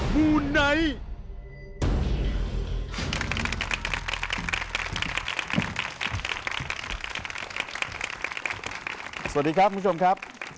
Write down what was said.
สวัสดีครับคุณผู้ชมครับ